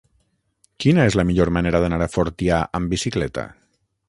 Quina és la millor manera d'anar a Fortià amb bicicleta?